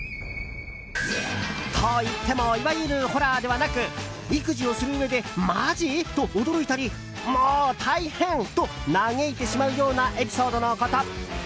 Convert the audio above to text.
といってもいわゆるホラーではなく育児をするうえでマジ！？と驚いたりもう大変！と嘆いてしまうようなエピソードのこと。